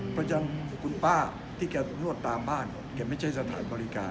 เพราะฉะนั้นคุณป้าที่แกนวดตามบ้านแกไม่ใช่สถานบริการ